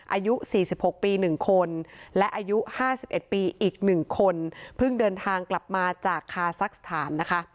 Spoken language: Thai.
อายุ๔๖ปี๑คนและอายุ๕๑ปีอีก๑คนเพิ่งเดินทางกลับมาจากคาซักสถานนะคะ